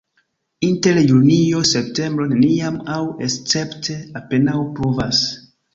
Inter junio-septembro neniam aŭ escepte apenaŭ pluvas.